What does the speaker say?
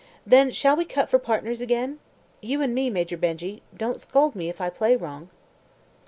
"Then shall we cut for partners again? You and me, Major Benjy. Don't scold me if I play wrong."